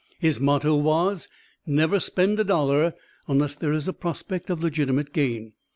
His motto was, "Never spend a dollar unless there is a prospect of legitimate gain."